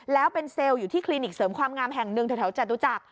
แล้วเป็นเซลล์อยู่ที่คลินิกเสริมความงามแห่งหนึ่งแถวจตุจักร